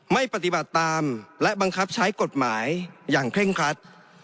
ไม่ปฏิบัติตามและบังคับใช้กฎหมายอย่างเคร่งครัด